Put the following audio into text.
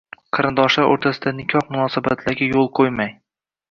Qarindoshlar o‘rtasidagi nikoh munosabatlariga yo‘l qo‘ymang.